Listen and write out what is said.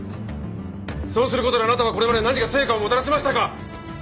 そうする事であなたはこれまで何か成果をもたらしましたか？